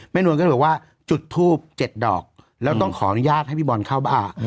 นวลก็เลยบอกว่าจุดทูบ๗ดอกแล้วต้องขออนุญาตให้พี่บอลเข้าบ้าน